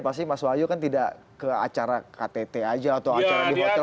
pasti mas wahyu kan tidak ke acara ktt aja atau acara di hotel